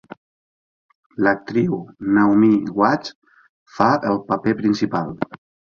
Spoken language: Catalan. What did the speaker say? L'actriu Naomi Watts fa el paper principal.